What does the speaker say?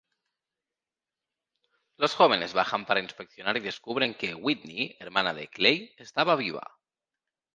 Los jóvenes bajan para inspeccionar y descubren que Whitney, hermana de Clay, estaba viva.